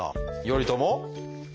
頼朝。